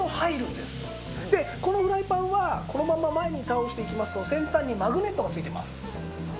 でこのフライパンはこのまま前に倒していきますと先端にマグネット！